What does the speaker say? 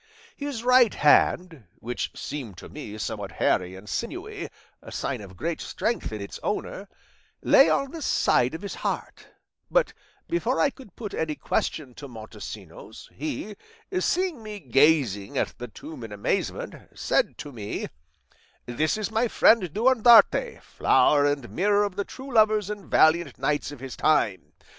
His right hand (which seemed to me somewhat hairy and sinewy, a sign of great strength in its owner) lay on the side of his heart; but before I could put any question to Montesinos, he, seeing me gazing at the tomb in amazement, said to me, 'This is my friend Durandarte, flower and mirror of the true lovers and valiant knights of his time.